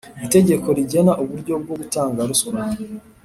itegeko rigena uburyo bwo gutanga ruswa